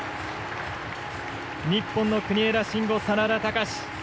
日本の国枝慎吾、眞田卓